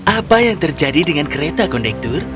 apa yang terjadi dengan kereta kondektur